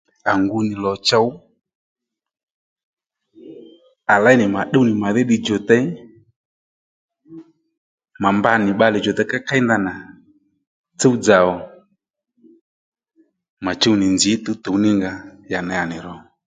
À ngu nì lò chow à léy nì mà tdúw nì màdhí ddiy djùtey mà mba nì bbalè djùtey kéykéy ndanà tsúw-dzà ò mà chuw nì nzǐ tǔwtǔw ní nga ya ney à nì ro